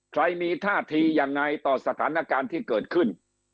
ใครมีท่าทียังไงต่อสถานการณ์ที่เกิดขึ้น